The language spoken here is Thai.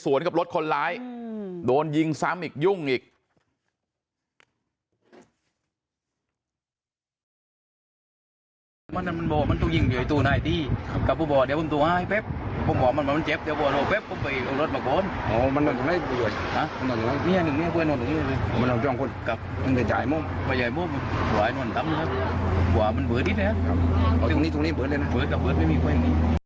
วันนี้ตำรวจไปสอบปากคำคนที่ถูกยิงนะครับในทันพิสิทธิ์ชื่อเรียกชื่อปี๊ดนะครับว่ามันต้องยิงอยู่ตรงไหนที่กับบ่อเดี๋ยวผมตรงไห้แป๊บผมบอกมันมันเจ็บเดี๋ยวบ่อโหล่แป๊บผมไปเอารถมาโบ้น